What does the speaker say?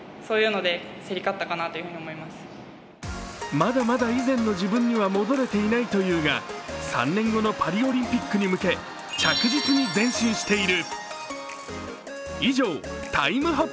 まだまだ以前の自分には戻れてないというが３年後のパリオリンピックに向け着実に前進している。